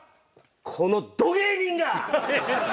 「このど芸人が！」。